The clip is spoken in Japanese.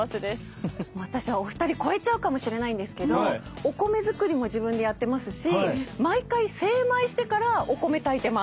私はお二人超えちゃうかもしれないんですけどお米作りも自分でやってますし毎回精米してからお米炊いてます。